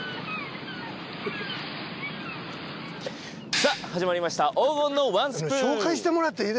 さあ始まりました「黄金のワンスプーン！」